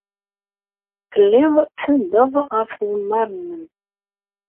Telliḍ tsenndeḍ ɣef tɣemmar-nnem.